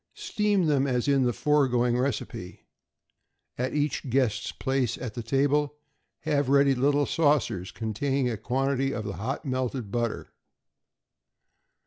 = Steam them as in the foregoing recipe. At each guest's place at table have ready little saucers containing a quantity of the hot melted butter.